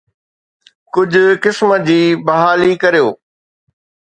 ڪجهه قسم جي بحالي ڪريو.